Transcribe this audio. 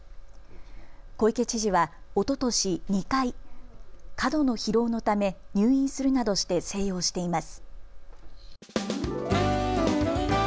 小池知事はおととし２回、過度の疲労のため入院するなどして静養しています。